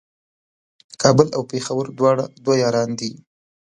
کابل او پېښور دواړه دوه یاران دي